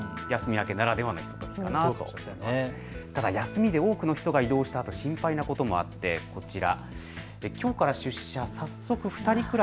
ただ休みで多くの人が移動したあと、心配なこともあってこちら。